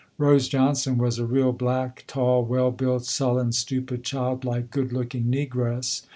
Rose Johnson was a real black, tall, well built, sullen, stupid, childlike, good looking negress.